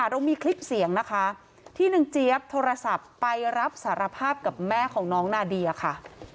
เรามีคลิปเสียงนะคะที่นางเจี๊ยบโทรศัพท์ไปรับสารภาพกับแม่ของน้องนาเดียค่ะ